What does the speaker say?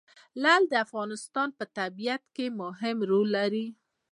لعل د افغانستان په طبیعت کې مهم رول لري.